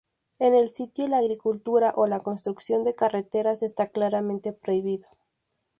En el sitio la agricultura o la construcción de carreteras está claramente prohibido.